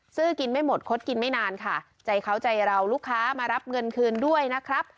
ซื้อกินไม่หมดคดกินไม่นานค่ะใจเขาใจเราลูกค้ามารับเงินคืนด้วยนะครับ